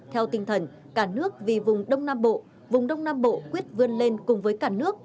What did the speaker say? theo tinh thần cả nước vì vùng đông nam bộ vùng đông nam bộ quyết vươn lên cùng với cả nước